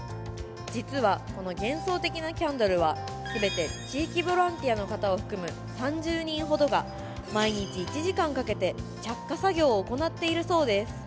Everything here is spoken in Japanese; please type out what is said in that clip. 実はこの幻想的なキャンドルは全て地域ボランティアを含む３０人ほどが毎日１時間かけて着火作業を行っているそうです。